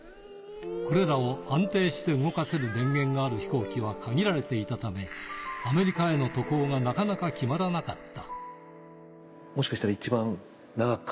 これらを安定して動かせる電源がある飛行機は限られていたため、アメリカへの渡航がなかなか決まらなかった。